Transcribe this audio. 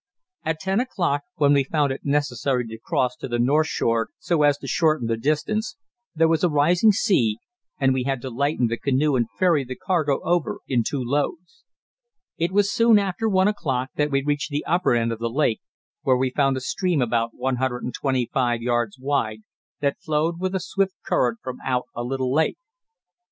At ten o'clock, when we found it necessary to cross to the north shore so as to shorten the distance, there was a rising sea, and we had to lighten the canoe and ferry the cargo over in two loads. It was soon after one o'clock that we reached the upper end of the lake, where we found a stream about 125 yards wide that flowed with a swift current from out a little lake.